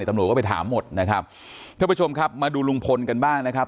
ตำรวจก็ไปถามหมดนะครับท่านผู้ชมครับมาดูลุงพลกันบ้างนะครับ